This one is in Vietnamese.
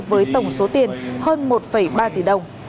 với tổng số tiền hơn một ba tỷ đồng